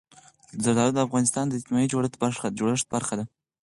زردالو د افغانستان د اجتماعي جوړښت برخه ده.